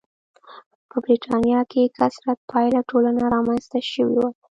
په برېټانیا کې کثرت پاله ټولنه رامنځته شوې وه.